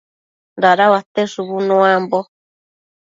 Dadauate shubu nuambo